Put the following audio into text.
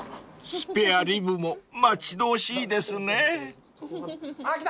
［スペアリブも待ち遠しいですね］あっ来た！